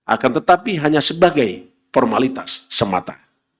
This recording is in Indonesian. akan tetapi hanya sebagai formalitas semata